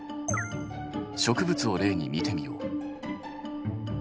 植物を例に見てみよう。